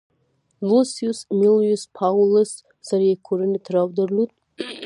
لوسیوس امیلیوس پاولوس سره یې کورنی تړاو درلود